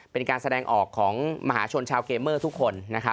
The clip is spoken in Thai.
เป็นการแสดงออกของมหาชนชาวเคเมอร์ทุกคน